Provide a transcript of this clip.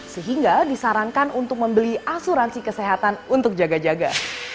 sehingga disarankan untuk membeli asuransi kesehatan untuk jaga jaga